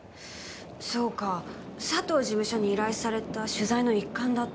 そうか佐藤事務所に依頼された取材の一環だったんだ。